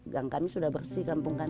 gang kami sudah bersih kampung kami